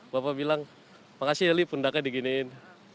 bapak bilang makasih ya lif pundaknya diginiin